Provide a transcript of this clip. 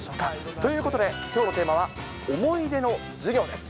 ということできょうのテーマは思い出の授業です。